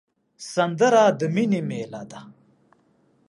سندره د مینې میله ده